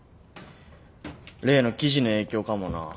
例の記事の影響かもな。